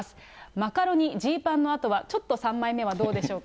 マカロニ、ジーパンのあとは三枚目はどうでしょうか。